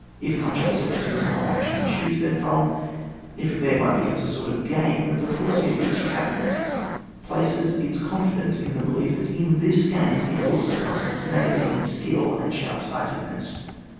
If much uncertainty in Uie whole action ensues therefrom, if it thereby becomes a sort of game, the policy of each cabinet places its confidence in tiie belief that in this game it will surpass its neighbour in skill and sharpsightedness.